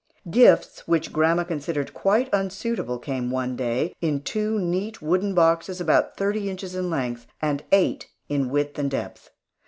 Gifts which grandma considered quite unsuitable came one day in two neat wooden boxes about thirty inches in length, and eight in width and depth.